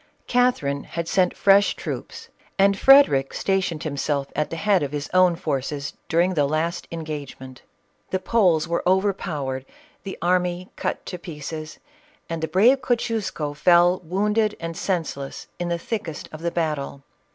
Catherine had sent fresh troops, and Frederic sta tioned himself at the head of his own forces daring the last engagement. The Poles were overpowered, the army cut to pieces, and the brave Kosciusko fell wounded and senseless in the thickest of the battle.